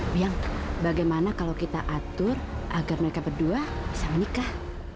bilang bagaimana kalau kita atur agar mereka berdua bisa menikah